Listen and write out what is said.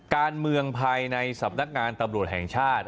การเมืองภายในสำนักงานตำรวจแห่งชาติ